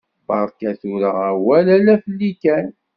Berka tura awal ala fell-i kan.